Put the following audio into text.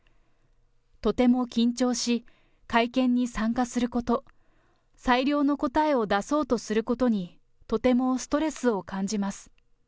とても緊張し、会見に参加すること、最良の答えを出そうとすることに、とてもストレスを感じます。